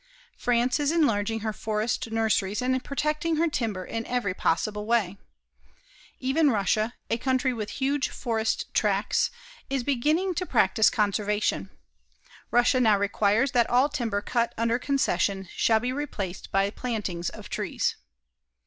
France is enlarging her forest nurseries and protecting her timber in every possible way. Even Russia, a country with huge forest tracts, is beginning to practice conservation. Russia now requires that all timber cut under concession shall be replaced by plantings of trees.